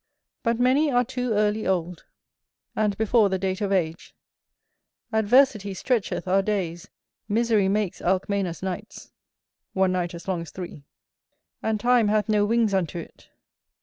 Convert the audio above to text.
But many are too early old, and before the date of age. Adversity stretcheth our days, misery makes Alcmena's nights,[BR] and time hath no wings unto it.